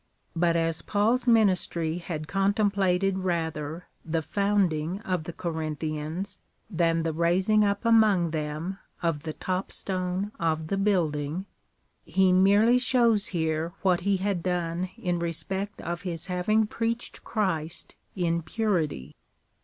But as Paul's ministry had con templated rather the founding of the Corinthians than the raising up among them of the top stone of the building, he merely shows here what he had done in respect of his having preached Christ in purity.